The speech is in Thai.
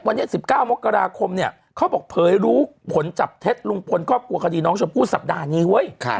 วันนี้๑๙มกราคมเนี่ยเขาบอกเผยรู้ผลจับเท็จลุงพลครอบครัวคดีน้องชมพู่สัปดาห์นี้เว้ย